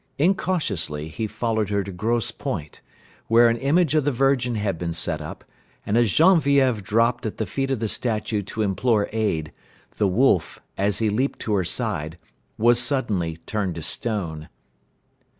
Incautiously, he followed her to Grosse Pointe, where an image of the Virgin had been set up, and as Genevieve dropped at the feet of the statue to implore aid, the wolf, as he leaped to her side, was suddenly turned to stone.